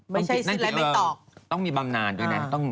ไม่ใช่สินอะไรไม่ตอก